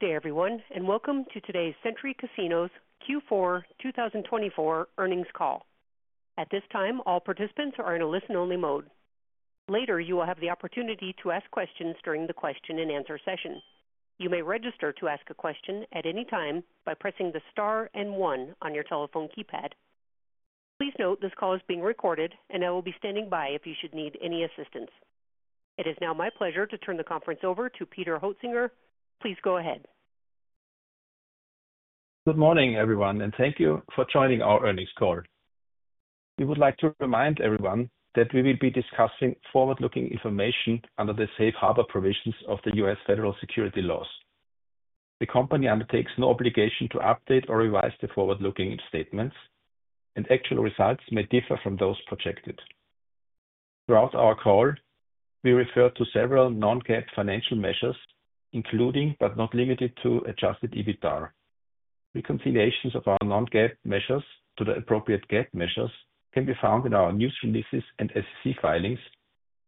Good day, everyone, and welcome to today's Century Casinos Q4 2024 earnings call. At this time, all participants are in a listen-only mode. Later, you will have the opportunity to ask questions during the question-and-answer session. You may register to ask a question at any time by pressing the star and one on your telephone keypad. Please note this call is being recorded, and I will be standing by if you should need any assistance. It is now my pleasure to turn the conference over to Peter Hoetzinger. Please go ahead. Good morning, everyone, and thank you for joining our earnings call. We would like to remind everyone that we will be discussing forward-looking information under the safe harbor provisions of the U.S. federal securities laws. The company undertakes no obligation to update or revise the forward-looking statements, and actual results may differ from those projected. Throughout our call, we refer to several non-GAAP financial measures, including but not limited to adjusted EBITDA. Reconciliations of our non-GAAP measures to the appropriate GAAP measures can be found in our news releases and SEC filings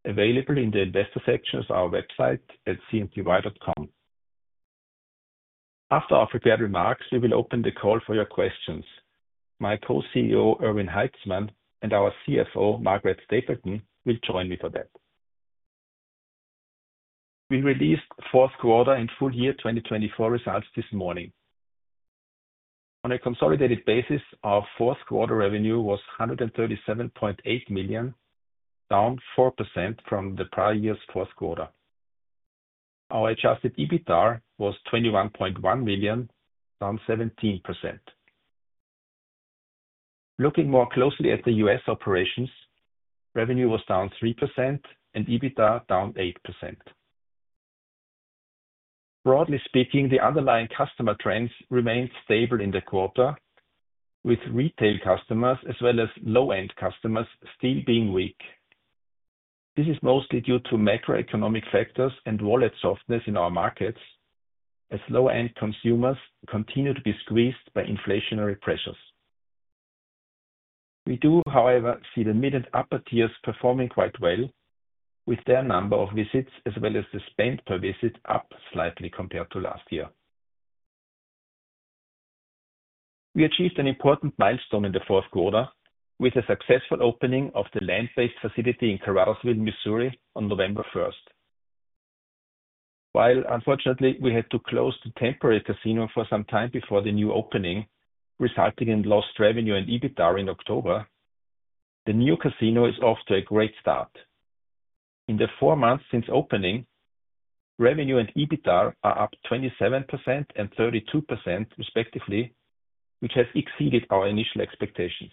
available in the investor section of our website at cnty.com. After our prepared remarks, we will open the call for your questions. My Co-CEO, Erwin Haitzmann, and our CFO, Margaret Stapleton, will join me for that. We released fourth quarter and full year 2024 results this morning. On a consolidated basis, our fourth quarter revenue was $137.8 million, down 4% from the prior year's fourth quarter. Our adjusted EBITDA was $21.1 million, down 17%. Looking more closely at the U.S. operations, revenue was down 3% and EBITDA down 8%. Broadly speaking, the underlying customer trends remained stable in the quarter, with retail customers as well as low-end customers still being weak. This is mostly due to macroeconomic factors and wallet softness in our markets, as low-end consumers continue to be squeezed by inflationary pressures. We do, however, see the mid and upper tiers performing quite well, with their number of visits as well as the spend per visit up slightly compared to last year. We achieved an important milestone in the fourth quarter with the successful opening of the land-based facility in Caruthersville, Missouri, on November 1. While, unfortunately, we had to close the temporary casino for some time before the new opening, resulting in lost revenue and EBITDA in October, the new casino is off to a great start. In the four months since opening, revenue and EBITDA are up 27% and 32%, respectively, which has exceeded our initial expectations.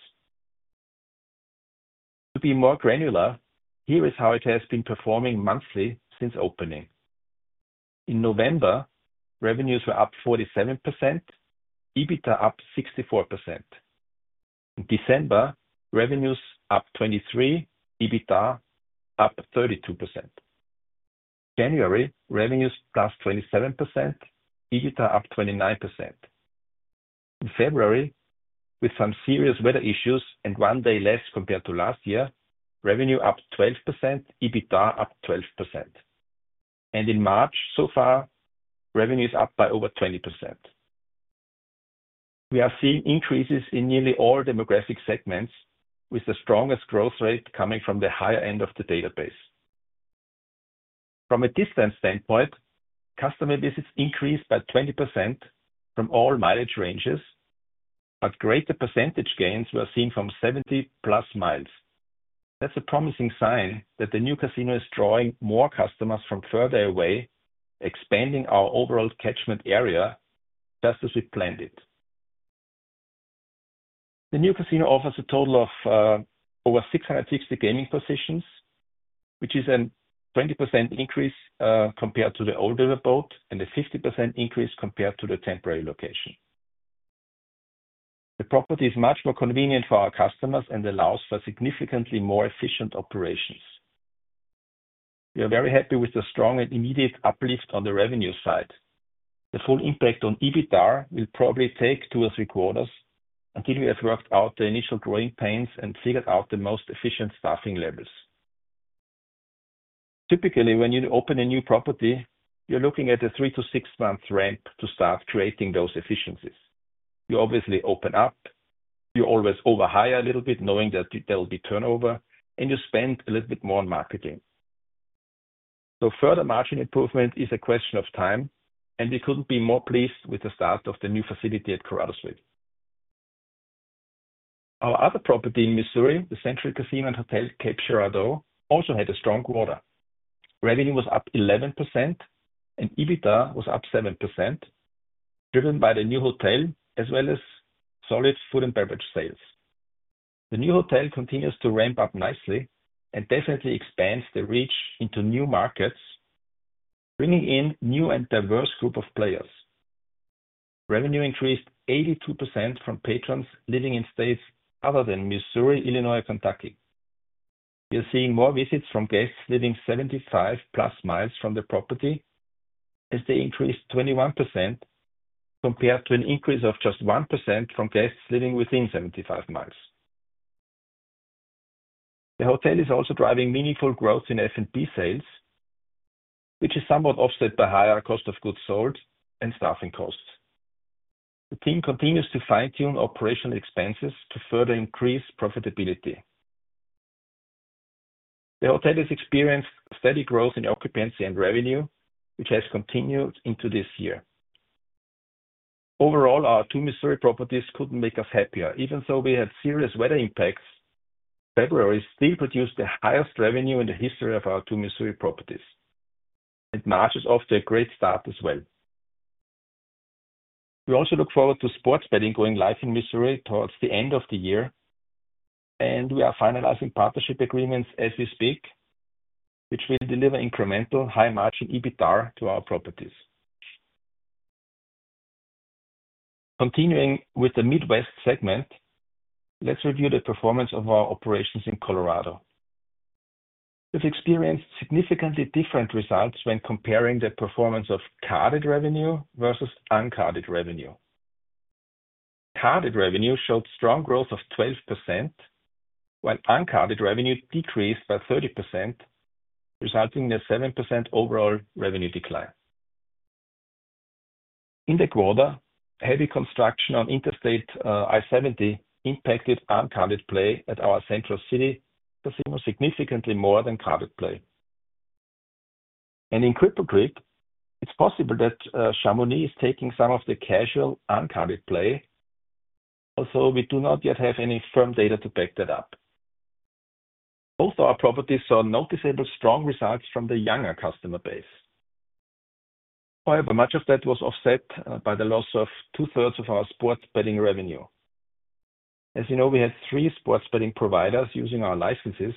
To be more granular, here is how it has been performing monthly since opening. In November, revenues were up 47%, EBITDA up 64%. In December, revenues up 23%, EBITDA up 32%. In January, revenues plus 27%, EBITDA up 29%. In February, with some serious weather issues and one day less compared to last year, revenue up 12%, EBITDA up 12%. In March, so far, revenues up by over 20%. We are seeing increases in nearly all demographic segments, with the strongest growth rate coming from the higher end of the database. From a distance standpoint, customer visits increased by 20% from all mileage ranges, but greater percentage gains were seen from 70-plus miles. That's a promising sign that the new casino is drawing more customers from further away, expanding our overall catchment area just as we planned it. The new casino offers a total of over 660 gaming positions, which is a 20% increase compared to the older boat and a 50% increase compared to the temporary location. The property is much more convenient for our customers and allows for significantly more efficient operations. We are very happy with the strong and immediate uplift on the revenue side. The full impact on EBITDA will probably take two or three quarters until we have worked out the initial growing pains and figured out the most efficient staffing levels. Typically, when you open a new property, you're looking at a three- to six-month ramp to start creating those efficiencies. You obviously open up, you always overhire a little bit knowing that there will be turnover, and you spend a little bit more on marketing. Further margin improvement is a question of time, and we could not be more pleased with the start of the new facility at Caruthersville. Our other property in Missouri, the Century Casino and Hotel Cape Girardeau, also had a strong quarter. Revenue was up 11%, and EBITDA was up 7%, driven by the new hotel as well as solid food and beverage sales. The new hotel continues to ramp up nicely and definitely expands the reach into new markets, bringing in a new and diverse group of players. Revenue increased 82% from patrons living in states other than Missouri, Illinois, and Kentucky. We are seeing more visits from guests living 75-plus miles from the property, as they increased 21% compared to an increase of just 1% from guests living within 75 miles. The hotel is also driving meaningful growth in F&B sales, which is somewhat offset by higher cost of goods sold and staffing costs. The team continues to fine-tune operational expenses to further increase profitability. The hotel has experienced steady growth in occupancy and revenue, which has continued into this year. Overall, our two Missouri properties could not make us happier. Even though we had serious weather impacts, February still produced the highest revenue in the history of our two Missouri properties. It marches off to a great start as well. We also look forward to sports betting going live in Missouri towards the end of the year, and we are finalizing partnership agreements as we speak, which will deliver incremental high-margin EBITDA to our properties. Continuing with the Midwest segment, let's review the performance of our operations in Colorado. We've experienced significantly different results when comparing the performance of carded revenue versus uncarded revenue. Carded revenue showed strong growth of 12%, while uncarded revenue decreased by 30%, resulting in a 7% overall revenue decline. In the quarter, heavy construction on Interstate I-70 impacted uncarded play at our Central City significantly more than carded play. In Cripple Creek, it's possible that Chamonix is taking some of the casual uncarded play, although we do not yet have any firm data to back that up. Both our properties saw noticeably strong results from the younger customer base. However, much of that was offset by the loss of two-thirds of our sports betting revenue. As you know, we had three sports betting providers using our licenses,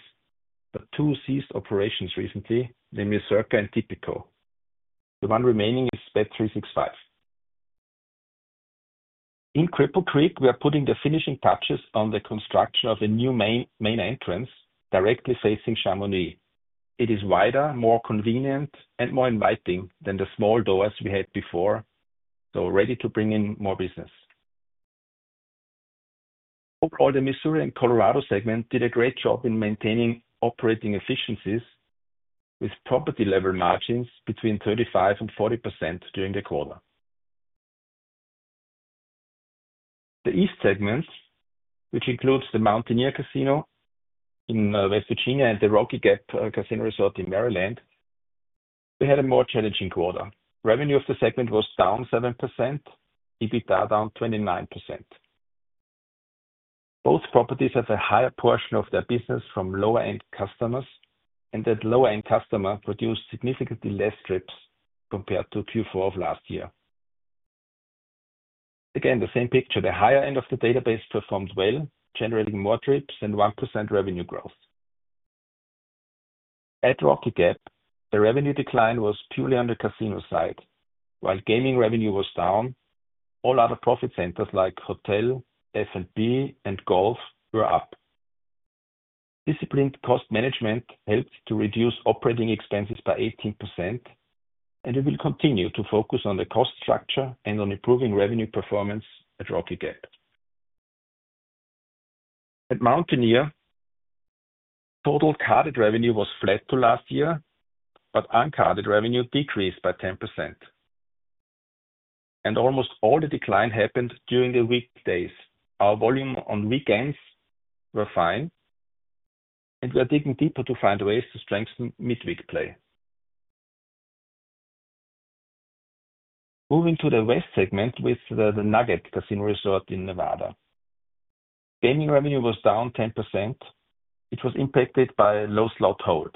but two ceased operations recently, the MGM and Tipico. The one remaining is Bet365. In Cripple Creek, we are putting the finishing touches on the construction of a new main entrance directly facing Chamonix. It is wider, more convenient, and more inviting than the small doors we had before, so ready to bring in more business. Overall, the Missouri and Colorado segment did a great job in maintaining operating efficiencies with property-level margins between 35% and 40% during the quarter. The East segment, which includes the Mountaineer Casino in West Virginia and the Rocky Gap Casino Resort in Maryland, we had a more challenging quarter. Revenue of the segment was down 7%, EBITDA down 29%. Both properties have a higher portion of their business from lower-end customers, and that lower-end customer produced significantly less trips compared to Q4 of last year. Again, the same picture: the higher end of the database performed well, generating more trips and 1% revenue growth. At Rocky Gap, the revenue decline was purely on the casino side, while gaming revenue was down. All other profit centers like hotel, F&B, and golf were up. Disciplined cost management helped to reduce operating expenses by 18%, and we will continue to focus on the cost structure and on improving revenue performance at Rocky Gap. At Mountaineer, total carded revenue was flat to last year, but uncarded revenue decreased by 10%. Almost all the decline happened during the weekdays. Our volume on weekends was fine, and we are digging deeper to find ways to strengthen midweek play. Moving to the West segment with the Nugget Casino Resort in Nevada. Gaming revenue was down 10%. It was impacted by a low slot hold.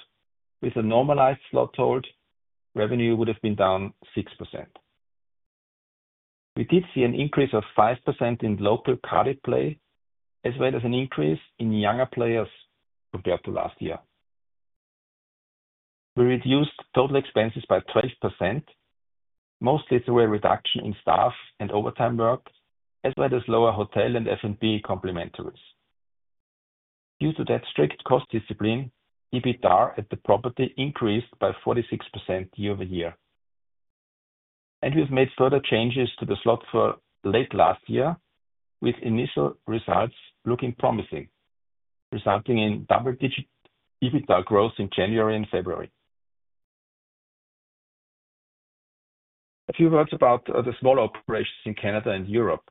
With a normalized slot hold, revenue would have been down 6%. We did see an increase of 5% in local carded play, as well as an increase in younger players compared to last year. We reduced total expenses by 12%, mostly through a reduction in staff and overtime work, as well as lower hotel and F&B complimentaries. Due to that strict cost discipline, EBITDA at the property increased by 46% year over year. We have made further changes to the slot floor late last year, with initial results looking promising, resulting in double-digit EBITDA growth in January and February. A few words about the smaller operations in Canada and Europe.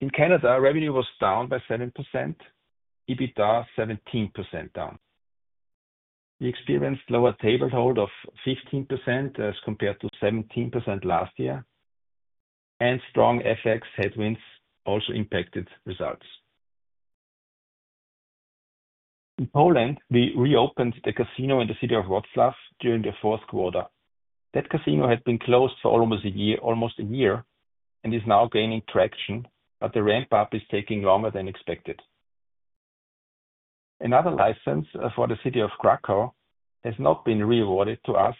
In Canada, revenue was down by 7%, EBITDA 17% down. We experienced lower table hold of 15% as compared to 17% last year, and strong FX headwinds also impacted results. In Poland, we reopened the casino in the city of Wrocław during the fourth quarter. That casino had been closed for almost a year and is now gaining traction, but the ramp-up is taking longer than expected. Another license for the city of Krakow has not been awarded to us,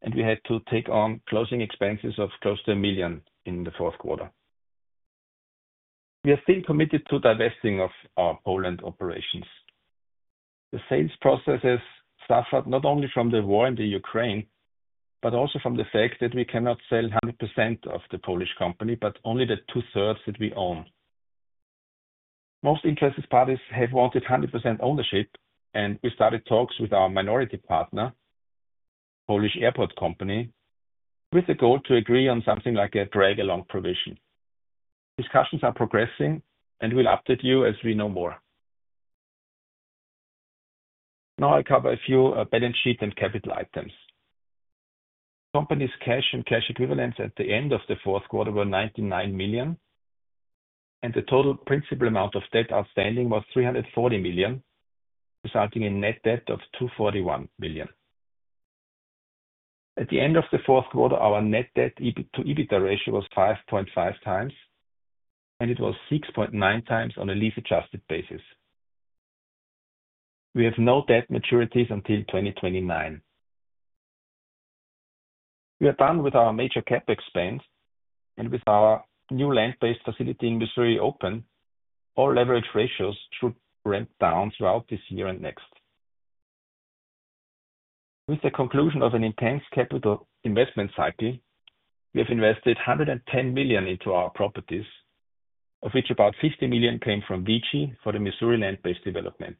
and we had to take on closing expenses of close to $1 million in the fourth quarter. We are still committed to divesting of our Poland operations. The sales process has suffered not only from the war in Ukraine, but also from the fact that we cannot sell 100% of the Polish company, but only the two-thirds that we own. Most interested parties have wanted 100% ownership, and we started talks with our minority partner, Polish airport company, with the goal to agree on something like a drag-along provision. Discussions are progressing, and we'll update you as we know more. Now I'll cover a few balance sheet and capital items. The company's cash and cash equivalents at the end of the fourth quarter were $99 million, and the total principal amount of debt outstanding was $340 million, resulting in net debt of $241 million. At the end of the fourth quarter, our net debt-to-EBITDA ratio was 5.5 times, and it was 6.9 times on a lease-adjusted basis. We have no debt maturities until 2029. We are done with our major CapEx, and with our new land-based facility in Missouri open, all leverage ratios should ramp down throughout this year and next. With the conclusion of an intense capital investment cycle, we have invested $110 million into our properties, of which about $50 million came from VICI for the Missouri land-based development.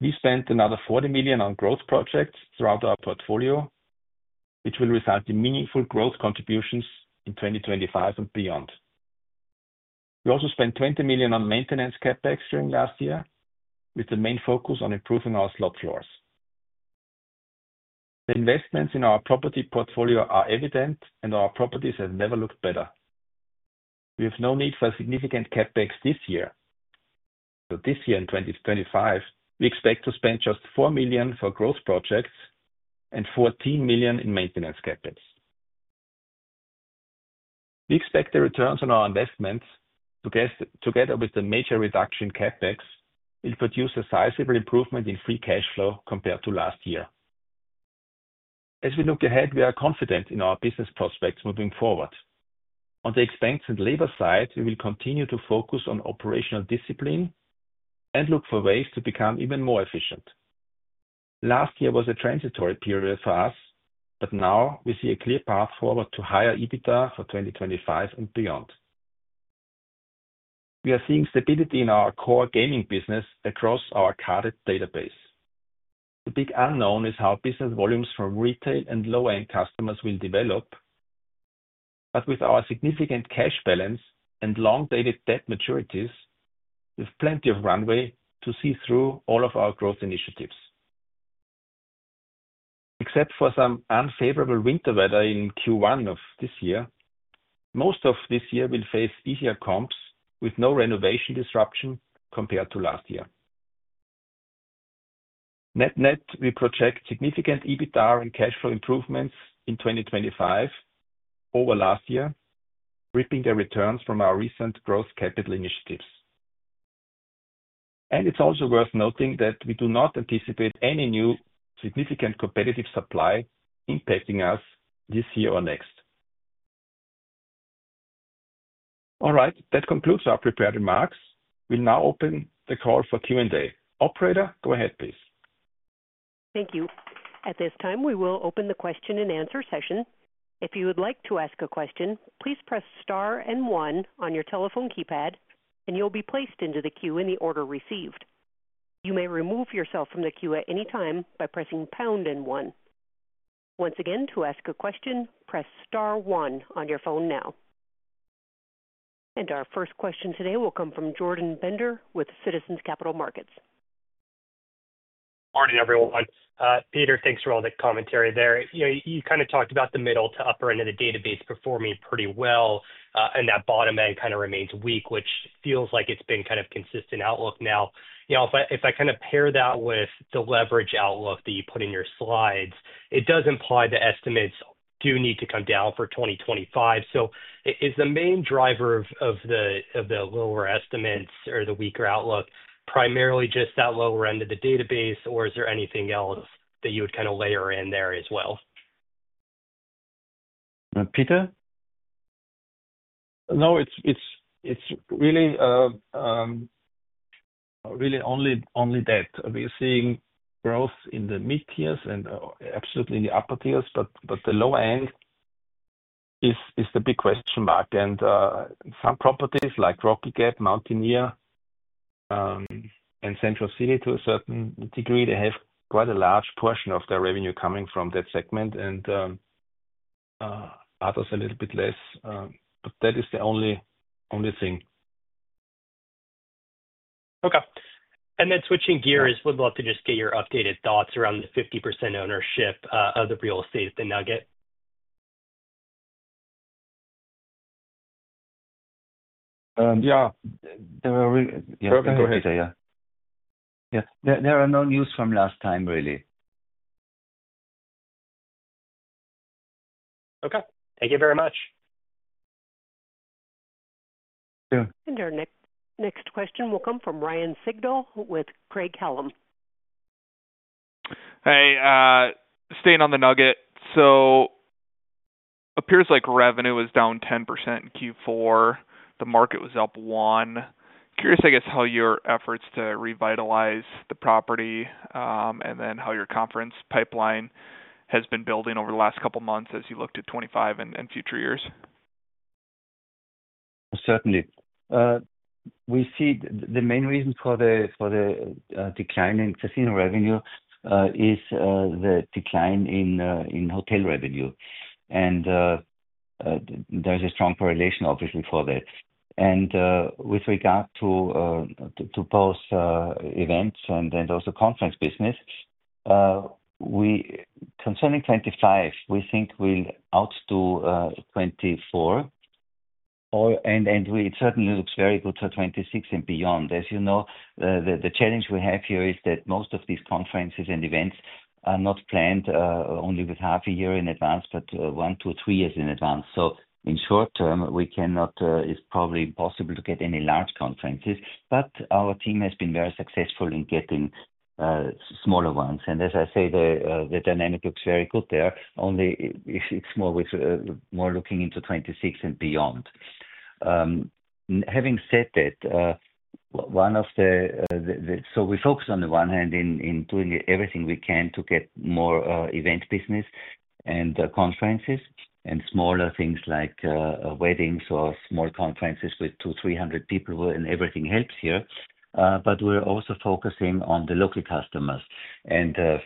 We spent another $40 million on growth projects throughout our portfolio, which will result in meaningful growth contributions in 2025 and beyond. We also spent $20 million on maintenance CapEx during last year, with the main focus on improving our slot floors. The investments in our property portfolio are evident, and our properties have never looked better. We have no need for significant CapEx this year. This year and 2025, we expect to spend just $4 million for growth projects and $14 million in maintenance CapEx. We expect the returns on our investments, together with the major reduction in CapEx, will produce a sizable improvement in free cash flow compared to last year. As we look ahead, we are confident in our business prospects moving forward. On the expense and labor side, we will continue to focus on operational discipline and look for ways to become even more efficient. Last year was a transitory period for us, but now we see a clear path forward to higher EBITDA for 2025 and beyond. We are seeing stability in our core gaming business across our carded database. The big unknown is how business volumes from retail and low-end customers will develop, but with our significant cash balance and long-dated debt maturities, we have plenty of runway to see through all of our growth initiatives. Except for some unfavorable winter weather in Q1 of this year, most of this year will face easier comps with no renovation disruption compared to last year. Net net, we project significant EBITDA and cash flow improvements in 2025 over last year, reaping the returns from our recent growth capital initiatives. It is also worth noting that we do not anticipate any new significant competitive supply impacting us this year or next. That concludes our prepared remarks. We will now open the call for Q&A. Operator, go ahead, please. Thank you. At this time, we will open the question-and-answer session. If you would like to ask a question, please press Star and 1 on your telephone keypad, and you will be placed into the queue in the order received. You may remove yourself from the queue at any time by pressing Pound and 1. Once again, to ask a question, press Star 1 on your phone now. Our first question today will come from Jordan Bender with Citizens Capital Markets. Morning, everyone. Peter, thanks for all the commentary there. You kind of talked about the middle to upper end of the database performing pretty well, and that bottom end kind of remains weak, which feels like it's been kind of a consistent outlook now. If I kind of pair that with the leverage outlook that you put in your slides, it does imply the estimates do need to come down for 2025. Is the main driver of the lower estimates or the weaker outlook primarily just that lower end of the database, or is there anything else that you would kind of layer in there as well? Peter? No, it's really only that. We're seeing growth in the mid-tiers and absolutely in the upper tiers, but the lower end is the big question mark. Some properties like Rocky Gap, Mountaineer, and Central City, to a certain degree, have quite a large portion of their revenue coming from that segment, and others a little bit less. That is the only thing. Okay. Switching gears, we'd love to just get your updated thoughts around the 50% ownership of the real estate at the Nugget. Yeah. There are no news from last time, really. Okay. Thank you very much. Thank you. Our next question will come from Ryan Sigdahl with Craig-Hallum. Hey, staying on the Nugget. It appears like revenue was down 10% in Q4. The market was up one. Curious, I guess, how your efforts to revitalize the property and then how your conference pipeline has been building over the last couple of months as you look to 2025 and future years. Certainly. We see the main reason for the declining casino revenue is the decline in hotel revenue. There is a strong correlation, obviously, for that. With regard to both events and also conference business, concerning 2025, we think we will outdo 2024. It certainly looks very good for 2026 and beyond. As you know, the challenge we have here is that most of these conferences and events are not planned only with half a year in advance, but one to three years in advance. In short term, it is probably impossible to get any large conferences. Our team has been very successful in getting smaller ones. As I say, the dynamic looks very good there. Only it is more looking into 2026 and beyond. Having said that, one of the... We focus on the one hand in doing everything we can to get more event business and conferences and smaller things like weddings or small conferences with 200, 300 people, and everything helps here. We are also focusing on the local customers.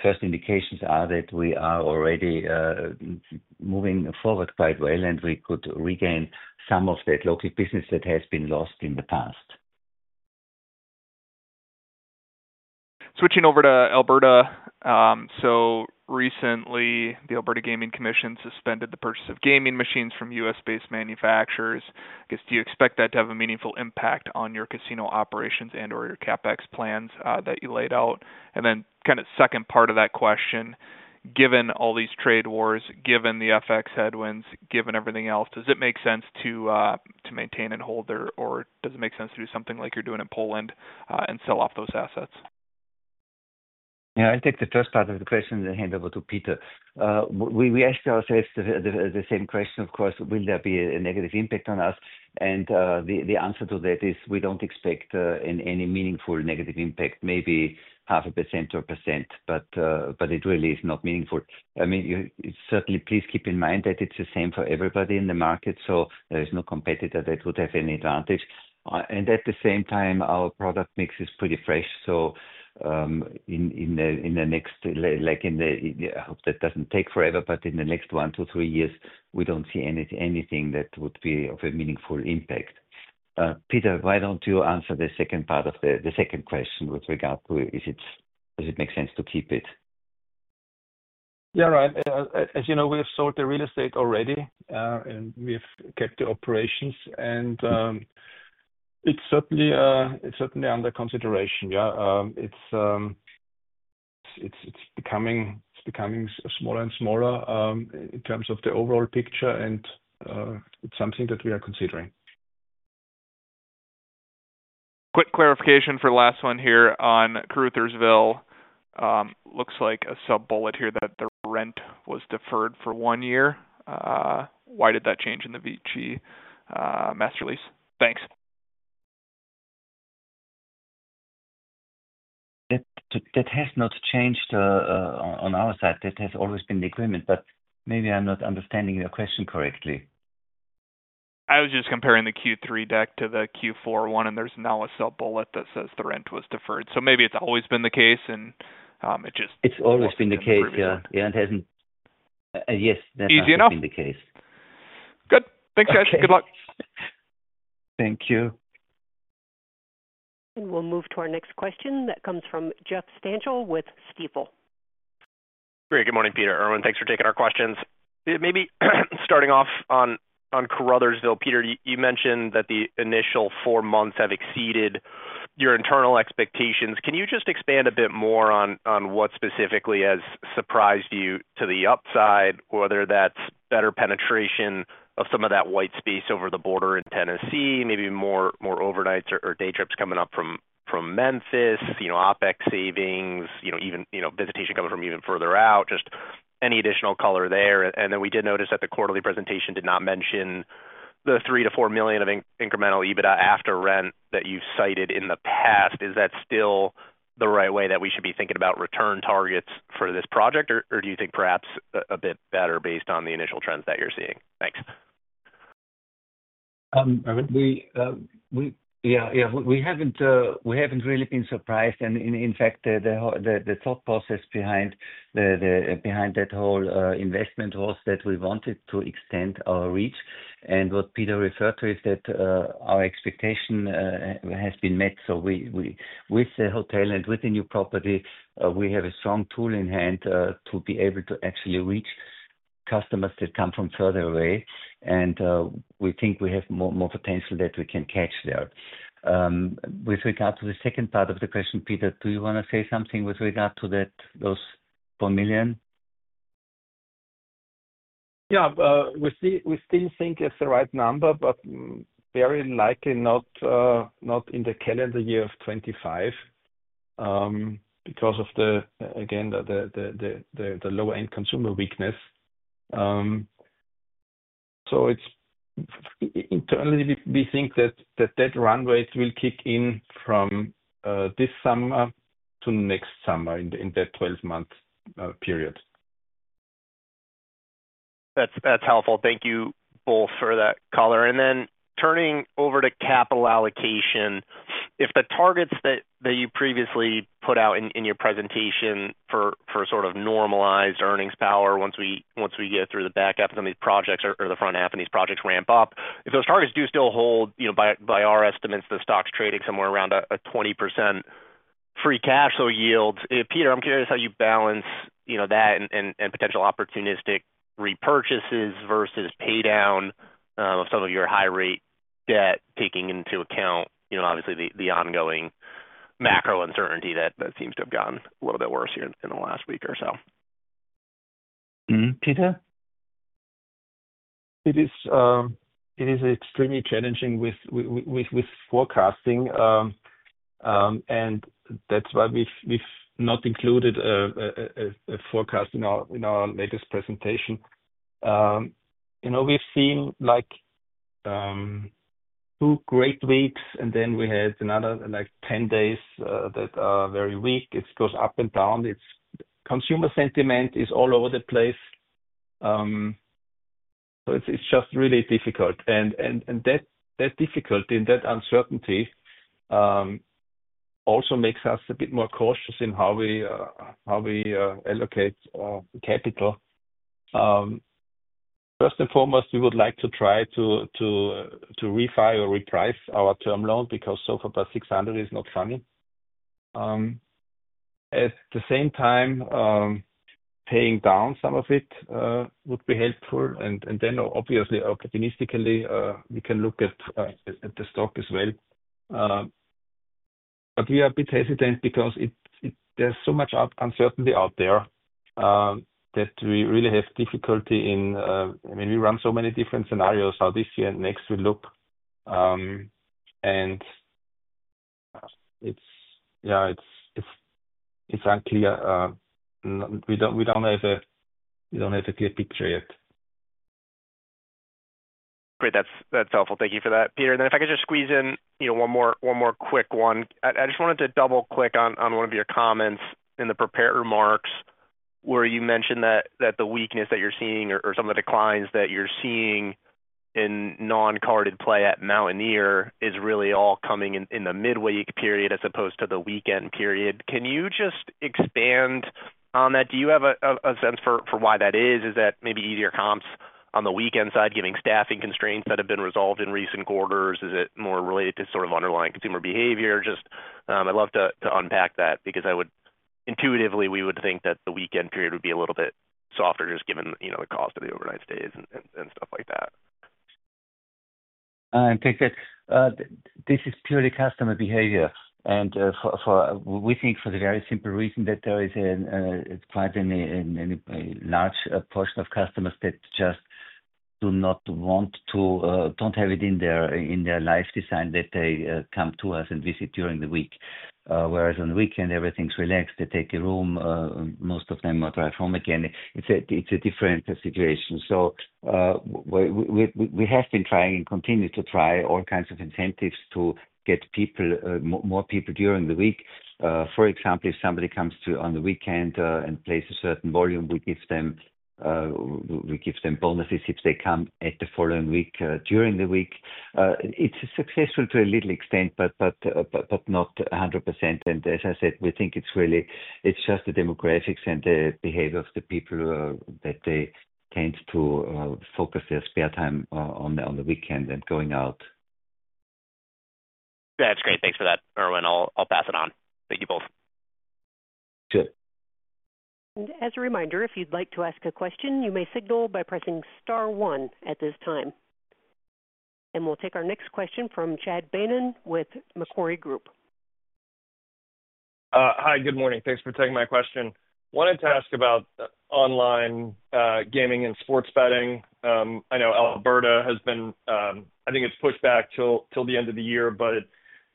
First indications are that we are already moving forward quite well, and we could regain some of that local business that has been lost in the past. Switching over to Alberta. Recently, the Alberta Gaming Commission suspended the purchase of gaming machines from U.S.-based manufacturers. I guess, do you expect that to have a meaningful impact on your casino operations and/or your CapEx plans that you laid out? Then kind of second part of that question, given all these trade wars, given the FX headwinds, given everything else, does it make sense to maintain and hold, or does it make sense to do something like you're doing in Poland and sell off those assets? Yeah, I'll take the first part of the question and hand over to Peter. We asked ourselves the same question, of course, will there be a negative impact on us? The answer to that is we don't expect any meaningful negative impact, maybe half a percent or 1%, but it really is not meaningful. I mean, certainly, please keep in mind that it's the same for everybody in the market, so there is no competitor that would have any advantage. At the same time, our product mix is pretty fresh. In the next, I hope that does not take forever, but in the next one to three years, we do not see anything that would be of a meaningful impact. Peter, why do you not answer the second part of the second question with regard to, does it make sense to keep it? Yeah, right. As you know, we have sold the real estate already, and we have kept the operations. It is certainly under consideration. Yeah, it is becoming smaller and smaller in terms of the overall picture, and it is something that we are considering. Quick clarification for the last one here on Caruthersville. Looks like a sub-bullet here that the rent was deferred for one year. Why did that change in the VICI master lease? Thanks. That has not changed on our side. That has always been the agreement, but maybe I am not understanding your question correctly. I was just comparing the Q3 deck to the Q4 one, and there's now a sub-bullet that says the rent was deferred. Maybe it's always been the case, and it just... It's always been the case. Yeah. Yeah, it hasn't... Yes. Easy enough. Been the case. Good. Thanks, guys. Good luck. Thank you. We'll move to our next question that comes from Jeff Stantial with Stifel. Great. Good morning, Peter. Erwin, thanks for taking our questions. Maybe starting off on Caruthersville, Peter, you mentioned that the initial four months have exceeded your internal expectations. Can you just expand a bit more on what specifically has surprised you to the upside, whether that's better penetration of some of that white space over the border in Tennessee, maybe more overnights or day trips coming up from Memphis, OpEx savings, even visitation coming from even further out, just any additional color there? We did notice that the quarterly presentation did not mention the $3 million-$4 million of incremental EBITDA after rent that you've cited in the past. Is that still the right way that we should be thinking about return targets for this project, or do you think perhaps a bit better based on the initial trends that you're seeing? Thanks. Yeah, we haven't really been surprised. In fact, the thought process behind that whole investment was that we wanted to extend our reach. What Peter referred to is that our expectation has been met. With the hotel and with the new property, we have a strong tool in hand to be able to actually reach customers that come from further away. We think we have more potential that we can catch there. With regard to the second part of the question, Peter, do you want to say something with regard to those $4 million? Yeah, we still think it's the right number, but very likely not in the calendar year of 2025 because of, again, the lower-end consumer weakness. Internally, we think that that runway will kick in from this summer to next summer in that 12-month period. That's helpful. Thank you both for that color. Turning over to capital allocation, if the targets that you previously put out in your presentation for sort of normalized earnings power, once we get through the back half of some of these projects or the front half of these projects ramp up, if those targets do still hold, by our estimates, the stock's trading somewhere around a 20% free cash flow yield, Peter, I'm curious how you balance that and potential opportunistic repurchases versus paydown of some of your high-rate debt taking into account, obviously, the ongoing macro uncertainty that seems to have gotten a little bit worse here in the last week or so. Peter? It is extremely challenging with forecasting, and that's why we've not included a forecast in our latest presentation. We've seen two great weeks, and then we had another 10 days that are very weak. It goes up and down. Consumer sentiment is all over the place. It is just really difficult. That difficulty and that uncertainty also make us a bit more cautious in how we allocate capital. First and foremost, we would like to try to refi or reprice our term loan because SOFR plus 600 is not funny. At the same time, paying down some of it would be helpful. Obviously, opportunistically, we can look at the stock as well. We are a bit hesitant because there is so much uncertainty out there that we really have difficulty in, I mean, we run so many different scenarios. How this year and next will look. It is unclear. We do not have a clear picture yet. Great. That is helpful. Thank you for that, Peter. If I could just squeeze in one more quick one. I just wanted to double-click on one of your comments in the prepared remarks where you mentioned that the weakness that you're seeing or some of the declines that you're seeing in non-carded play at Mountaineer is really all coming in the midweek period as opposed to the weekend period. Can you just expand on that? Do you have a sense for why that is? Is that maybe easier comps on the weekend side, given staffing constraints that have been resolved in recent quarters? Is it more related to sort of underlying consumer behavior? I'd love to unpack that because intuitively, we would think that the weekend period would be a little bit softer just given the cost of the overnight stays and stuff like that. I think that this is purely customer behavior. We think for the very simple reason that there is quite a large portion of customers that just do not want to, do not have it in their life design that they come to us and visit during the week. Whereas on the weekend, everything is relaxed. They take a room. Most of them drive home again. It is a different situation. We have been trying and continue to try all kinds of incentives to get more people during the week. For example, if somebody comes on the weekend and plays a certain volume, we give them bonuses if they come the following week during the week. It is successful to a little extent, but not 100%. As I said, we think it is really just the demographics and the behavior of the people that they tend to focus their spare time on the weekend and going out. That is great. Thanks for that, Erwin. I'll pass it on. Thank you both. Thank you. As a reminder, if you'd like to ask a question, you may signal by pressing star one at this time. We'll take our next question from Chad Beynon with Macquarie Group. Hi, good morning. Thanks for taking my question. Wanted to ask about online gaming and sports betting. I know Alberta has been, I think it's pushed back till the end of the year, but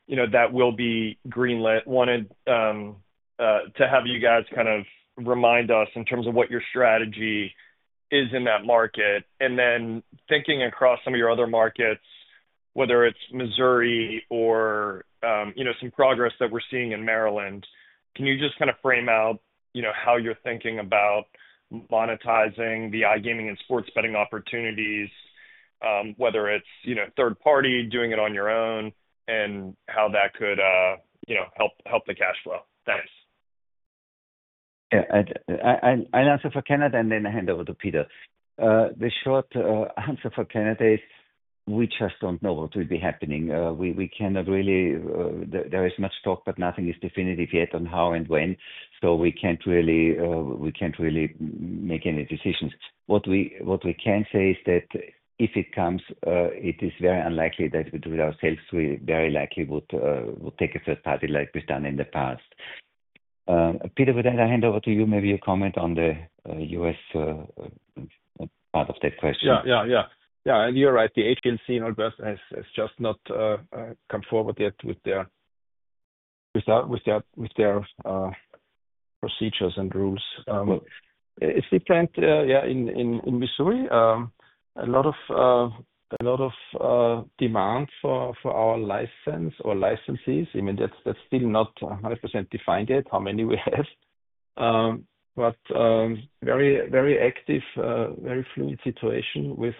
that will be greenlit. Wanted to have you guys kind of remind us in terms of what your strategy is in that market. Thinking across some of your other markets, whether it is Missouri or some progress that we are seeing in Maryland, can you just kind of frame out how you are thinking about monetizing the iGaming and sports betting opportunities, whether it is third-party, doing it on your own, and how that could help the cash flow? Thanks. Yeah. I will answer for Canada and then hand over to Peter. The short answer for Canada is we just do not know what will be happening. We cannot really, there is much talk, but nothing is definitive yet on how and when. We cannot really make any decisions. What we can say is that if it comes, it is very unlikely that we ourselves, very likely would take a third-party like we have done in the past. Peter, would I hand over to you? Maybe your comment on the U.S. part of that question. Yeah, yeah, yeah. Yeah. And you're right. The Alberta Gaming Commission in Alberta has just not come forward yet with their procedures and rules. It's different, yeah, in Missouri. A lot of demand for our license or licenses. I mean, that's still not 100% defined yet how many we have. But very active, very fluid situation with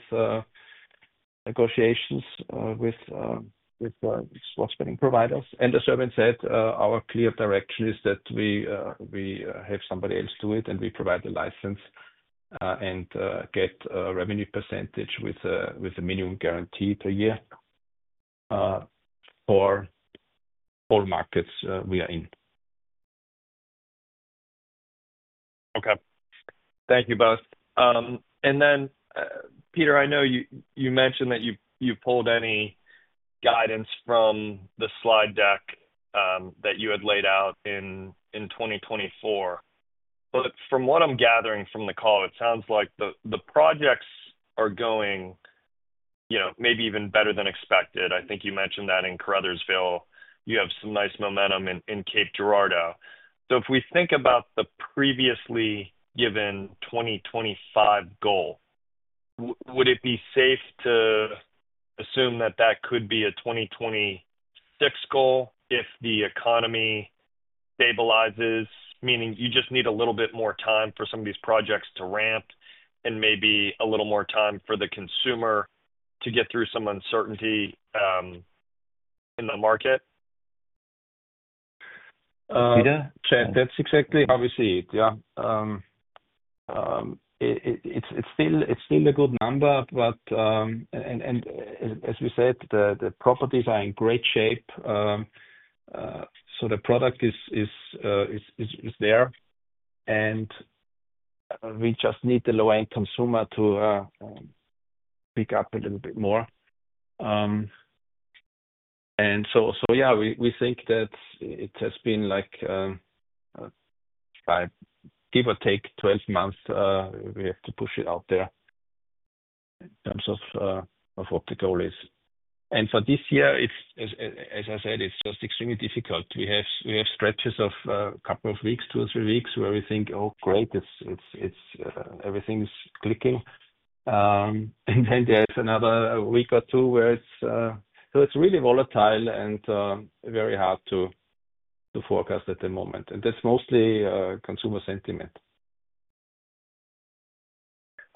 negotiations with sports betting providers. And as Erwin said, our clear direction is that we have somebody else do it, and we provide the license and get a revenue percentage with a minimum guarantee per year for all markets we are in. Okay. Thank you both. Then, Peter, I know you mentioned that you pulled any guidance from the slide deck that you had laid out in 2024. From what I'm gathering from the call, it sounds like the projects are going maybe even better than expected. I think you mentioned that in Caruthersville. You have some nice momentum in Cape Girardeau. If we think about the previously given 2025 goal, would it be safe to assume that that could be a 2026 goal if the economy stabilizes, meaning you just need a little bit more time for some of these projects to ramp and maybe a little more time for the consumer to get through some uncertainty in the market? Peter? That's exactly how we see it. Yeah. It's still a good number. As we said, the properties are in great shape. The product is there. We just need the low-end consumer to pick up a little bit more. Yeah, we think that it has been, like, give or take, 12 months we have to push it out there in terms of what the goal is. For this year, as I said, it's just extremely difficult. We have stretches of a couple of weeks, two or three weeks, where we think, "Oh, great, everything is clicking." There is another week or two where it's really volatile and very hard to forecast at the moment. That's mostly consumer sentiment.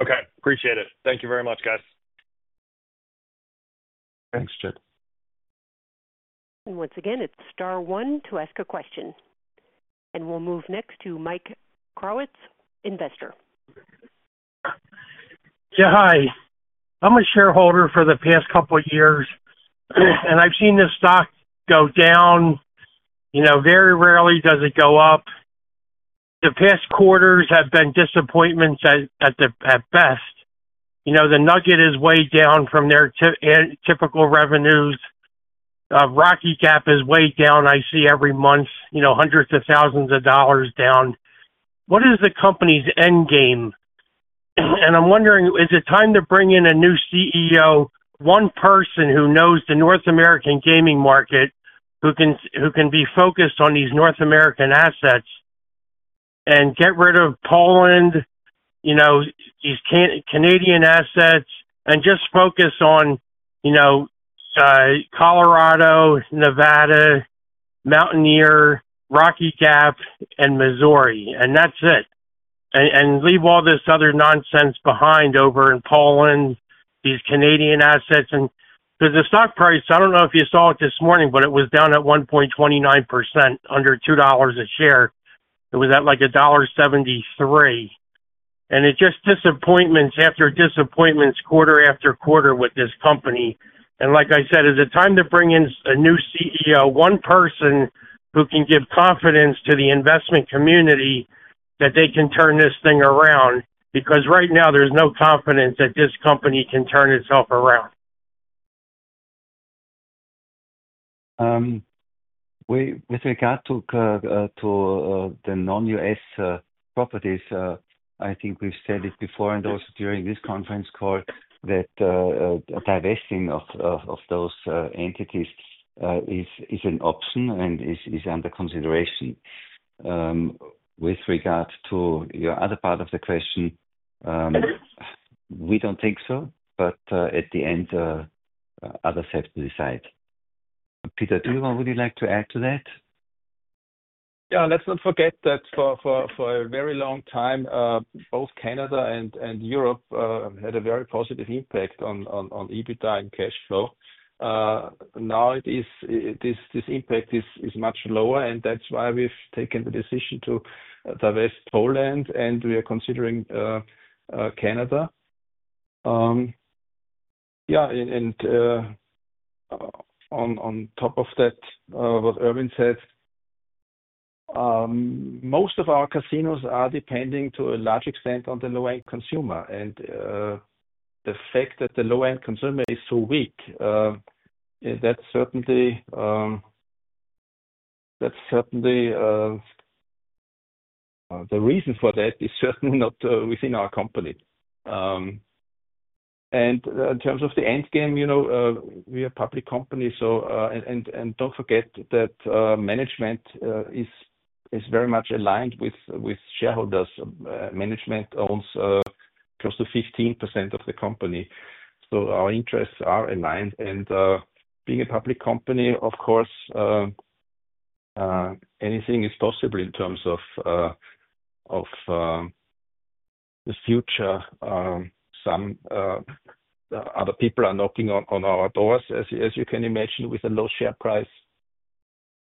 Okay. Appreciate it. Thank you very much, guys. Thanks, Chad. Once again, it's star one to ask a question. We'll move next to Mike Croetz, investor. Yeah, hi. I'm a shareholder for the past couple of years. I've seen the stock go down. Very rarely does it go up. The past quarters have been disappointments at best. The Nugget is way down from their typical revenues. Rocky Gap is way down. I see every month hundreds of thousands of dollars down. What is the company's end game? I'm wondering, is it time to bring in a new CEO, one person who knows the North American gaming market, who can be focused on these North American assets and get rid of Poland, these Canadian assets, and just focus on Colorado, Nevada, Mountaineer, Rocky Gap, and Missouri? That's it. Leave all this other nonsense behind over in Poland, these Canadian assets. Because the stock price, I don't know if you saw it this morning, but it was down at 1.29%, under $2 a share. It was at like $1.73. It's just disappointments after disappointments quarter after quarter with this company. Like I said, is it time to bring in a new CEO, one person who can give confidence to the investment community that they can turn this thing around? Because right now, there's no confidence that this company can turn itself around. With regard to the non-U.S. properties, I think we've said it before and also during this conference call that divesting of those entities is an option and is under consideration. With regard to your other part of the question, we don't think so, but at the end, others have to decide. Peter, do you want—would you like to add to that? Yeah. Let's not forget that for a very long time, both Canada and Europe had a very positive impact on EBITDA and cash flow. Now, this impact is much lower, and that's why we've taken the decision to divest Poland, and we are considering Canada. Yeah. And on top of that, what Erwin said, most of our casinos are depending to a large extent on the low-end consumer. The fact that the low-end consumer is so weak, that's certainly the reason for that is certainly not within our company. In terms of the end game, we are a public company. Do not forget that management is very much aligned with shareholders. Management owns close to 15% of the company. Our interests are aligned. Being a public company, of course, anything is possible in terms of the future. Some other people are knocking on our doors, as you can imagine, with a low share price.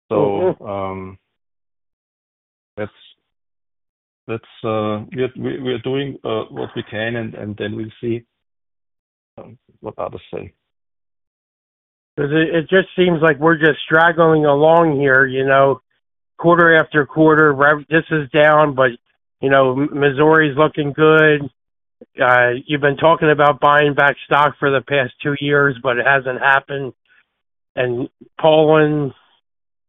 We are doing what we can, and then we'll see what others say. It just seems like we're just straggling along here. Quarter after quarter, this is down, but Missouri's looking good. You've been talking about buying back stock for the past two years, but it hasn't happened. Poland,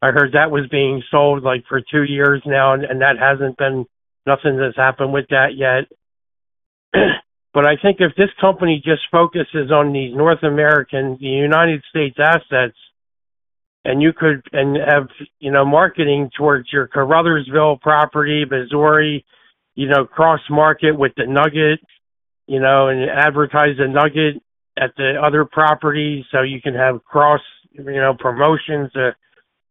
I heard that was being sold for two years now, and that has not been—nothing has happened with that yet. I think if this company just focuses on these North American, the United States assets, and you could have marketing towards your Caruthersville property, Missouri, cross-market with the Nugget and advertise the Nugget at the other properties so you can have cross-promotions.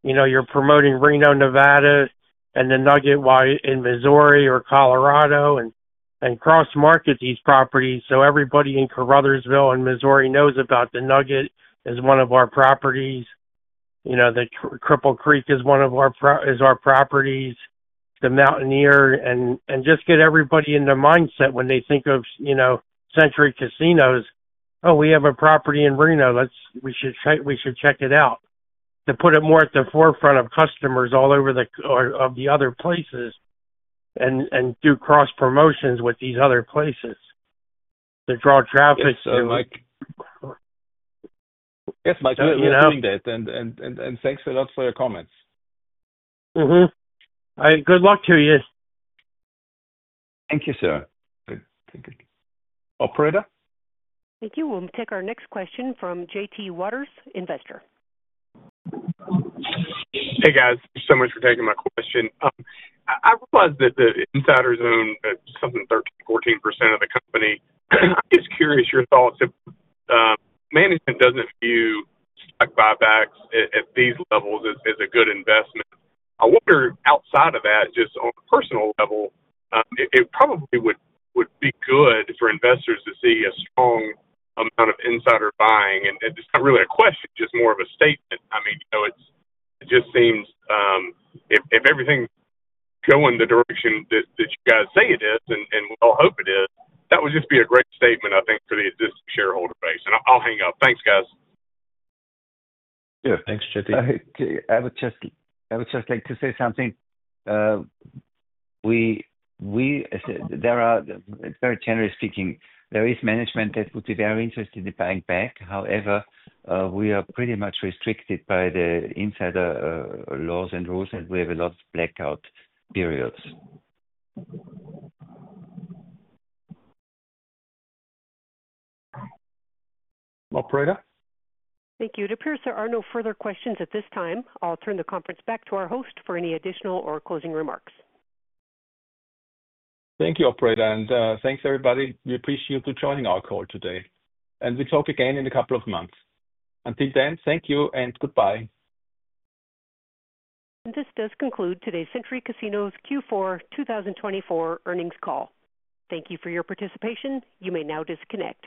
You're promoting Reno, Nevada, and the Nugget while in Missouri or Colorado and cross-market these properties. Everybody in Caruthersville and Missouri knows about the Nugget as one of our properties. The Cripple Creek is one of our properties. The Mountaineer and just get everybody in the mindset when they think of Century Casinos, "Oh, we have a property in Reno. We should check it out. To put it more at the forefront of customers all over the other places and do cross-promotions with these other places to draw traffic. Thanks, Mike. Yes, Mike. We appreciate that. And thanks a lot for your comments. All right. Good luck to you. Thank you, sir. Thank you. Operator? Thank you. We'll take our next question from JT Waters, investor. Hey, guys. Thank you so much for taking my question. I realize that the insiders own something 13-14% of the company. I'm just curious your thoughts. Management doesn't view stock buybacks at these levels as a good investment. I wonder, outside of that, just on a personal level, it probably would be good for investors to see a strong amount of insider buying. It's not really a question, just more of a statement. I mean, it just seems if everything's going the direction that you guys say it is, and we all hope it is, that would just be a great statement, I think, for the existing shareholder base. I'll hang up. Thanks, guys. Yeah. Thanks, JT. I would just like to say something. Very generally speaking, there is management that would be very interested in buying back. However, we are pretty much restricted by the insider laws and rules, and we have a lot of blackout periods. Operator? Thank you. It appears there are no further questions at this time. I'll turn the conference back to our host for any additional or closing remarks. Thank you, Operator. Thanks, everybody. We appreciate you joining our call today. We'll talk again in a couple of months. Until then, thank you and goodbye. This does conclude today's Century Casinos Q4 2024 earnings call. Thank you for your participation. You may now disconnect.